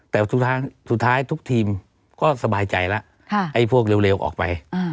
แต่สุดท้ายทุกทีมก็สบายใจแล้วไอ้พวกเร็วออกไป